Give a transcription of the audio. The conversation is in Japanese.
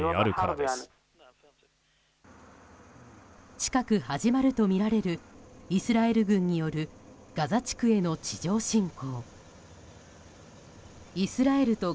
近く始まるとみられるイスラエル軍によるガザ地区への地上侵攻。